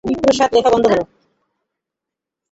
বিপ্রদাস লেখা বন্ধ করলে।